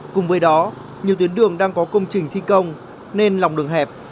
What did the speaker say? cùng với đó nhiều tuyến đường đang có công trình thi công nên lòng đường hẹp